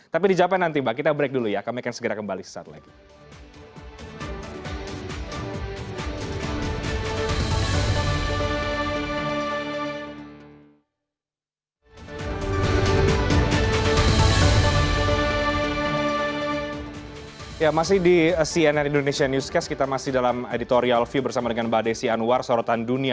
tapi dijawabkan nanti mbak kita break dulu ya kami akan segera kembali sesaat lagi